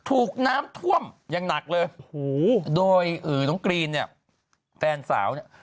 ถูกน้ำท่วมอย่างหนักเลยโดยน้องกรีนเนี่ยแฟนสาวเนี่ย